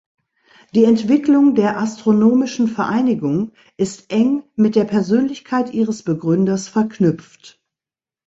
Die Entwicklung der astronomischen Vereinigung ist eng mit der Persönlichkeit ihres Begründers verknüpft.